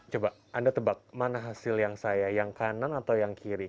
coba anda tebak mana hasil yang saya yang kanan atau yang kiri